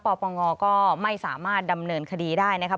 ปปงก็ไม่สามารถดำเนินคดีได้นะครับ